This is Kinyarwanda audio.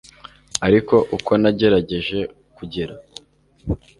ariko uko nagerageje kugera